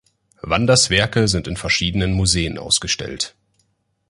Wanders’ Werke sind in verschiedenen Museen ausgestellt.